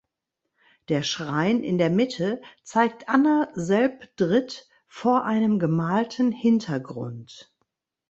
Der Schrein in der Mitte zeigt Anna selbdritt vor einem gemalten Hintergrund.